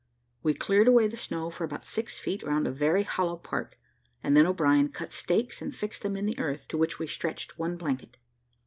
We cleared away the snow for about six feet round a very hollow part, and then O'Brien cut stakes and fixed them in the earth, to which we stretched one blanket.